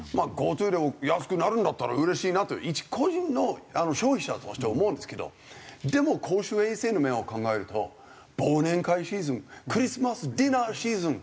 ＧｏＴｏで安くなるんだったら嬉しいなって一個人の消費者として思うんですけどでも公衆衛生の面を考えると忘年会シーズンクリスマスディナーシーズン